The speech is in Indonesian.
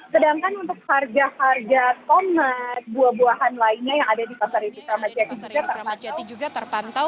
sedangkan untuk harga harga tomat buah buahan lainnya yang ada di pasar isti ramadjati juga terpantau